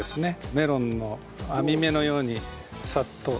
メロンの網目のようにサッと。